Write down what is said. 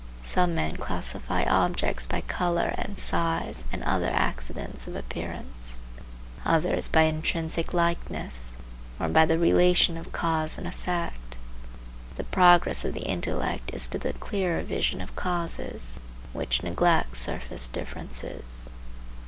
Some men classify objects by color and size and other accidents of appearance; others by intrinsic likeness, or by the relation of cause and effect. The progress of the intellect is to the clearer vision of causes, which neglects surface differences.